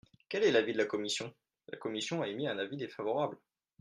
Quel est l’avis de la commission ? La commission a émis un avis défavorable.